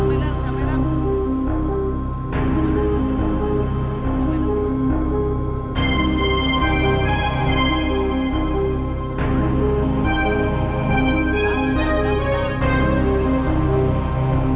kembali ke kota kota kota